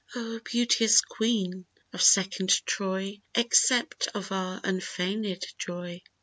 O beauteous Queen of second Troy, Accept of our unfeignèd joy!